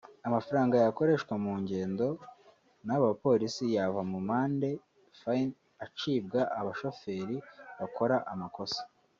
Amafaranga yakoreshwa mu ngendo n’abo bapolisi yava mu mande (fine) acibwa abashoferi bakora amakosa